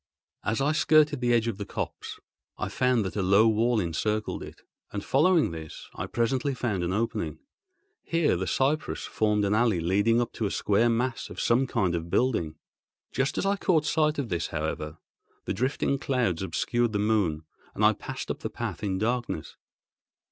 As I skirted the edge of the copse, I found that a low wall encircled it, and following this I presently found an opening. Here the cypresses formed an alley leading up to a square mass of some kind of building. Just as I caught sight of this, however, the drifting clouds obscured the moon, and I passed up the path in darkness.